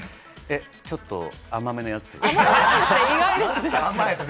ちょっと甘めのやつ。